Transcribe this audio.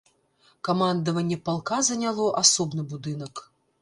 Камандаванне палка заняло асобны будынак.